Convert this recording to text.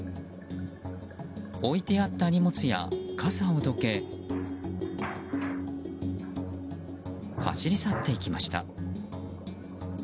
置いてあった荷物や傘をどけ走り去っていきました。